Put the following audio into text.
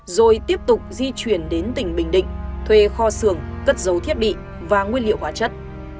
rồi tiếp tục di chuyển đến tỉnh bình định thuê kho xưởng cất giấu thiết bị và nguyên liệu hóa chất